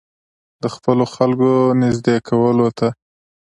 د خپلو خلکو نېږدې کولو ته.